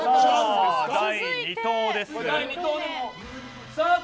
第２投目です。